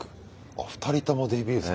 あ２人ともデビュー作。